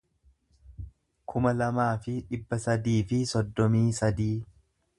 kuma lamaa fi dhibba sadii fi soddomii sadii